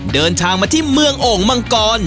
เดินทางมาที่เมืองโอ่งมังกร